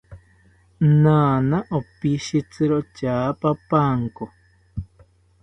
Naana opishitziro tyaapapanko